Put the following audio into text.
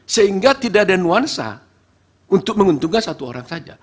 sehingga tidak ada nuansa untuk menguntungkan satu orang saja